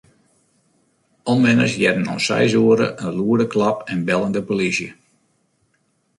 Omwenners hearden om seis oere hinne in lûde klap en bellen de plysje.